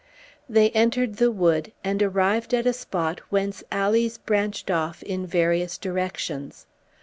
They entered a wood, and arrived at a spot whence alleys branched off in various directions.